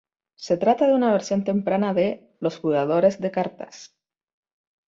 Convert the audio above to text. Se trata de una versión temprana de "Los Jugadores de Cartas".